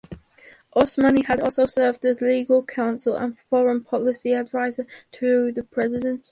Osmani had also served as legal counsel and foreign policy advisor to the president.